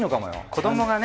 子どもがね。